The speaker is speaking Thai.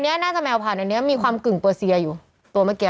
น่าจะแมวพันอันนี้มีความกึ่งเปอร์เซียอยู่ตัวเมื่อกี้